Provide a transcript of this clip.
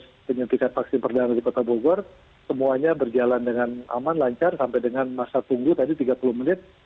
proses penyuntikan vaksin perdana di kota bogor semuanya berjalan dengan aman lancar sampai dengan masa tunggu tadi tiga puluh menit